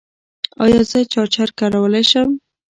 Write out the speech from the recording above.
ایا زه چارجر کارولی شم؟